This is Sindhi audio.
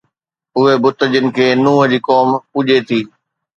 اهي بت جن کي نوح جي قوم پوڄي ٿي